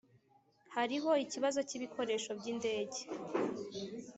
hariho ikibazo cyibikoresho byindege.